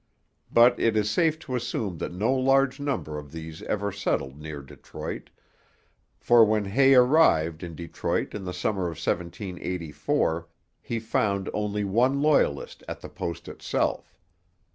But it is safe to assume that no large number of these ever settled near Detroit, for when Hay arrived in Detroit in the summer of 1784, he found only one Loyalist at the post itself.